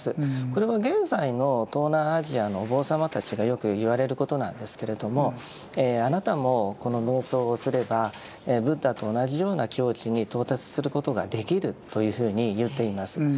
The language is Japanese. これは現在の東南アジアのお坊様たちがよく言われることなんですけれどもあなたもこの瞑想をすればブッダと同じような境地に到達することができるというふうに言っています。